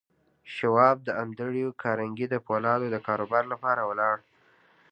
شواب د انډریو کارنګي د پولادو د کاروبار لپاره ولاړ